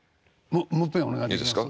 もういっぺんお願いできます？